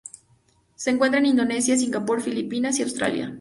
Se encuentran en Indonesia, Singapur, Filipinas y Australia.